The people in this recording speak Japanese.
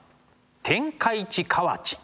天下一河内